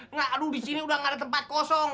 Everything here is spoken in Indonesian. nggak aduh di sini udah gak ada tempat kosong